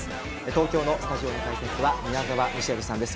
東京のスタジオの解説は宮澤ミシェルさんです。